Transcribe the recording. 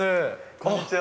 こんにちは。